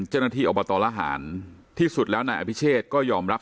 เจ้าหน้าที่อบตละหารที่สุดแล้วนายอภิเชษก็ยอมรับ